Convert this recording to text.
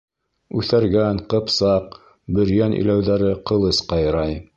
Үҫәргән, ҡыпсаҡ, бөрйән иләүҙәре ҡылыс ҡайрай.